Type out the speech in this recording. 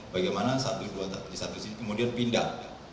bagaimana satu dua satu sisi kemudian pindah